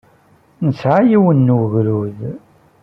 Nesɛa yiwen n wegrud.